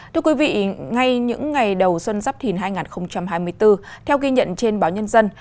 thưa quý vị ngay những ngày đầu xuân giáp thìn hai nghìn hai mươi bốn theo ghi nhận trên báo nhân dân